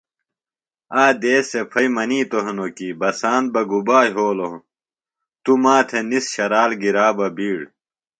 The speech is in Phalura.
آ دیس سےۡ پھئیۡ منِیتوۡ ہنوۡ کیۡ ”بساند بہ گُبا یھولوۡ توۡ ما تھےۡ نِس شرال گِرا بہ بِیڑ“